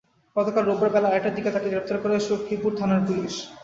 গতকাল রোববার বেলা আড়াইটার দিকে তাঁকে গ্রেপ্তার করে সখীপুর থানার পুলিশ।